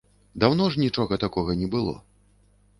Даўно ж нічога такога не было.